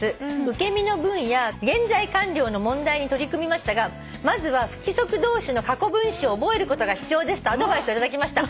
受け身の文や現在完了の問題に取り組みましたがまずは不規則動詞の過去分詞を覚えることが必要です』とアドバイスを頂きました。